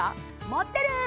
持ってる！